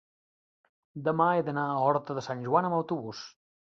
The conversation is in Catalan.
demà he d'anar a Horta de Sant Joan amb autobús.